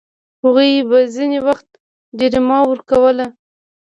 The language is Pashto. هغوی به ځینې وخت جریمه ورکوله.